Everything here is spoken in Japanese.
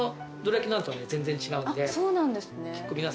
そうなんですね。